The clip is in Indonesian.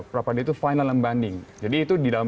peradilan itu final and binding jadi itu di dalam